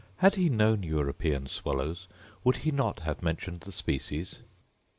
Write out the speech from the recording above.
Had he known European swallows, would he not have mentioned the species ?